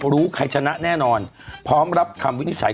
รู้ใครชนะแน่นอนพร้อมรับคำวินิจฉัย